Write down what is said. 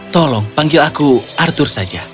tolong panggil aku arthur saja